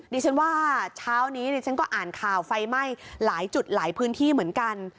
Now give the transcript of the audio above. ดิฉันว่าเช้านี้ดิฉันก็อ่านข่าวไฟไหม้หลายจุดหลายพื้นที่เหมือนกัน